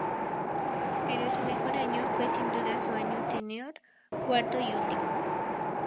Pero su mejor año fue sin duda su año senior, cuarto y último.